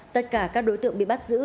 tất cả các đối tượng bị bắt giữ